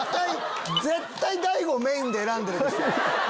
絶対大悟メインで選んでるでしょ？